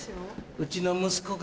うちの息子が。